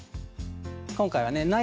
今回はね